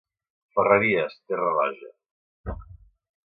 Ferreries, terra roja.